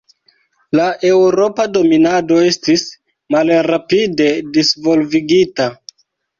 La eŭropa dominado estis malrapide disvolvigita.